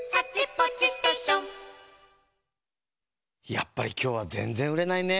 やっぱりきょうはぜんぜんうれないね。